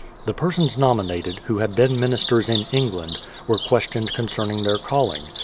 The persons nominated, who had been ministers in England, were questioned concerning their calling.